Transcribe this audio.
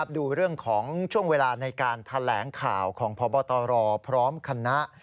ดูเรื่องของช่วงเวลาในการแถลงข่าวของพบตรพร้อมคณะ